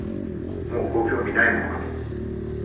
もうご興味ないものかと。